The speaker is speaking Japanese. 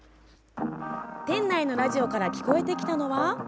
店内のラジオから聞こえてきたのは。